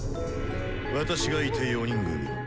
私がいて４人組。